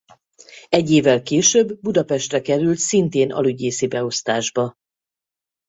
Egy évvel később Budapestre került szintén alügyészi beosztásba.